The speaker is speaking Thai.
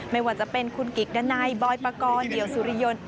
ไม่ว่าจะเป็นคุณกิกดันัยบอยปกรณ์เดี่ยวสุริยนต์